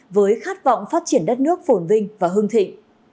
với khát vọng phát triển đất nước phổn vinh và hưng thịnh